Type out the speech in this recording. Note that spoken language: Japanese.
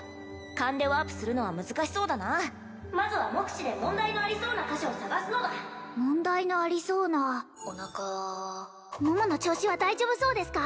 勘でワープするのは難しそうだなまずは目視で問題のありそうな箇所を探すのだ問題のありそうなおなか桃の調子は大丈夫そうですか？